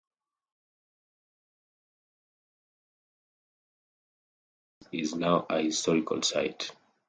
The Gomez Mill House is now a Historical Site.